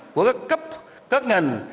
của các cấp các ngành